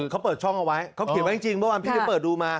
เขาเปิดช่องเอาไว้เขาเขียนไว้จริงเมื่อวานพี่ก็เปิดดูมา